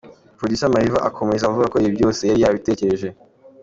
Producer Mariva akomeza avuga ko ibi byose yari yabitekereje.